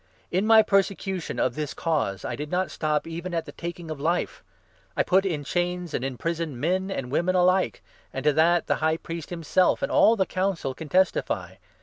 In my persecution of this Cause I did not stop even at 4 the taking of life. I put in chains, and imprisoned, men and women alike — and to that the High Priest himself and all the 5 Council can testify.